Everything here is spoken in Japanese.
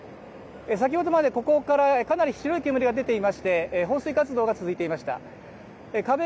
先ほどまでここからかなり白い煙が出ていまして放水活動が続いていました。